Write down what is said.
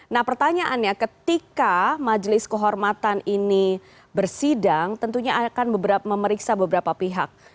nah pertanyaannya ketika majelis kehormatan ini bersidang tentunya akan memeriksa beberapa pihak